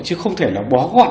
chứ không thể là bó gọn